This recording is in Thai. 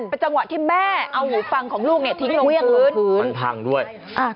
เป็นจังหวะดิบแม่เอาหูฟังของลูกเนี่ยทิ้งละวี่หังตรงกลับพื้น